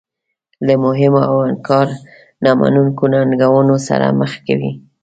له مهمو او انکار نه منونکو ننګونو سره مخ کوي.